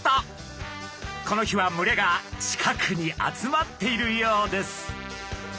この日は群れが近くに集まっているようです。